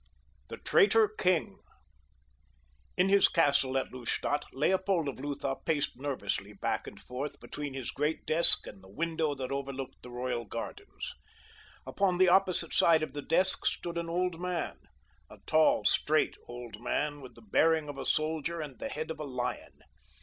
V. THE TRAITOR KING In his castle at Lustadt, Leopold of Lutha paced nervously back and forth between his great desk and the window that overlooked the royal gardens. Upon the opposite side of the desk stood an old man—a tall, straight, old man with the bearing of a soldier and the head of a lion.